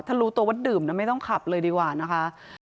ถ้ารู้ตัวว่าดื่มแล้วไม่ต้องขับเลยดีกว่านะคะ